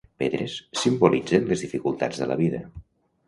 Pedres simbolitzen les dificultats de la vida.